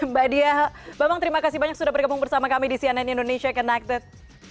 mbak diah bambang terima kasih banyak sudah bergabung bersama kami di cnn indonesia connected